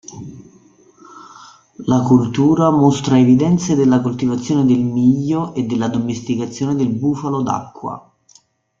La cultura mostra evidenze della coltivazione del miglio e dell'addomesticazione del bufalo d'acqua.